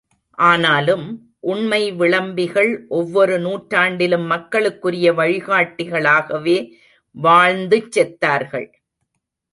ஆனாலும், உண்மை விளம்பிகள் ஒவ்வொரு நூற்றாண்டிலும் மக்களுக்குரிய வழிகாட்டிகளாகவே வாழ்ந்துச் செத்தார்கள்!